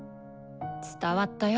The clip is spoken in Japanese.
伝わったよ。